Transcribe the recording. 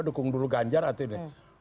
dukung dulu ganjar atau ini